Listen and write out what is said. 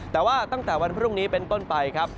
แต่ว่าตั้งแต่วันพรุ่งนี้เป็นต้นไปครับ